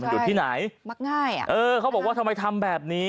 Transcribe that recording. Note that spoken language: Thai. อยู่ที่ไหนมักง่ายอ่ะเออเขาบอกว่าทำไมทำแบบนี้